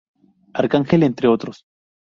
Arcángel, entre otros.